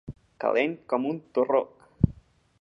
Calent com un torró.